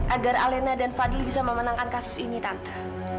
agar alena dan fadil bisa memenangkan kasus ini tante